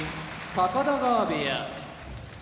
高田川部屋